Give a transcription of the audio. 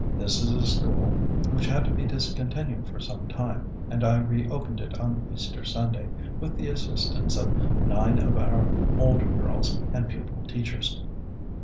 This is a school which had to be discontinued for some time, and I re opened it on Easter Sunday, with the assistance of nine of our older girls and pupil teachers.